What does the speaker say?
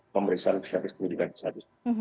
pemeriksaan arti keperluan di sana